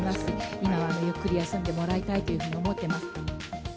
今はね、ゆっくり休んでもらいたいというふうに思ってます。